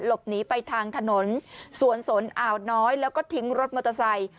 หลบหนีไปทางถนนสวนสนอ่าวน้อยแล้วก็ทิ้งรถมอเตอร์ไซค์